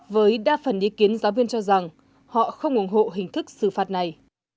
với đa phần ý kiến giáo viên cho rằng họ không ủng hộ hình thức xử phạt này